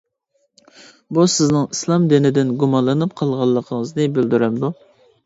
بۇ سىزنىڭ ئىسلام دىنىدىن گۇمانلىنىپ قالغانلىقىڭىزنى بىلدۈرەمدۇ؟ !